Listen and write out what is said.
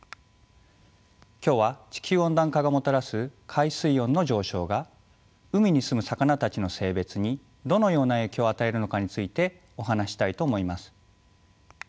今日は地球温暖化がもたらす海水温の上昇が海に住む魚たちの性別にどのような影響を与えるのかについてお話ししたいと思います。